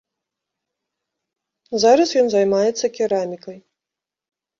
Зараз ён займаецца керамікай.